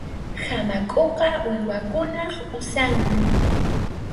Hamakʼuqa uywakunap usanmi.